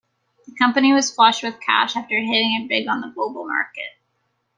The company was flush with cash after hitting it big on the global market.